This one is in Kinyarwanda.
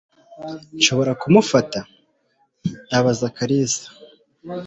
Nshobora kumufata?" abaza Kalisa.